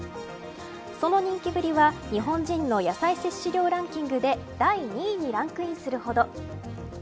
その人気ぶりは日本人の野菜摂取量ランキングで第２位にランクインするほど。